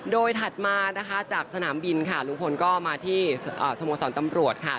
โดยถัดมานะคะจากสนามบินค่ะลุงพลก็มาที่สโมสรตำรวจค่ะ